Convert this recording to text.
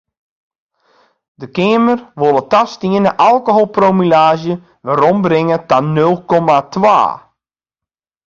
De Keamer wol it tastiene alkoholpromillaazje werombringe ta nul komma twa.